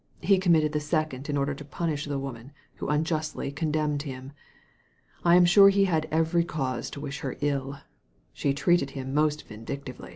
He committed the second in order to punish the woman who unjustly condemned him. I am sure he had every cause to wish her ill She treated him most vindictively."